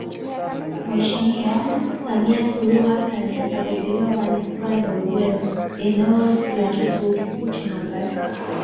Mheshimiwa Samia Suluhu Hassan atapokelewa Manispaa ya Morogoro eneo la kituo kikuu cha mabasi